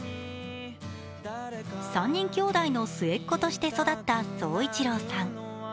３人きょうだいの末っ子として育った宗一朗さん。